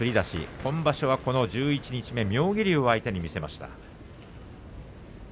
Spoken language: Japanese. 今場所は十一日目妙義龍を相手につりを見せました。